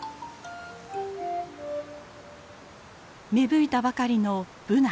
芽吹いたばかりのブナ。